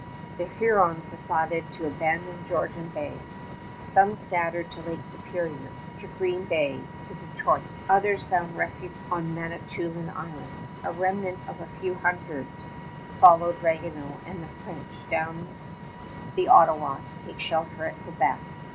The Hurons decided to abandon Georgian Bay. Some scattered to Lake Superior, to Green Bay, to Detroit. Others found refuge on Manitoulin Island. A remnant of a few hundreds followed Ragueneau and the French down the Ottawa to take shelter at Quebec.